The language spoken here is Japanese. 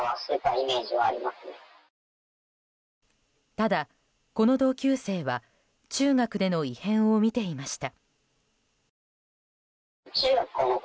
ただ、この同級生は中学での異変を見ていました。